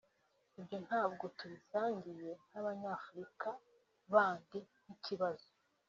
ibyo ntabwo tubisangiye n’abanyafrika bandi nk’ikibazo